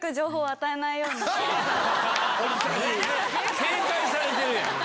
警戒されてるやん！